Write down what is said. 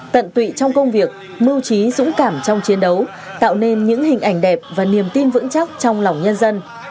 tận tụy trong công việc mưu trí dũng cảm trong chiến đấu tạo nên những hình ảnh đẹp và niềm tin vững chắc trong lòng nhân dân